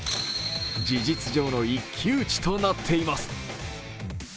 事実上の一騎打ちとなっています。